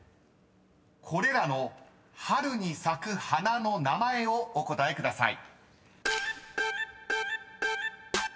［これらの春に咲く花の名前をお答えください］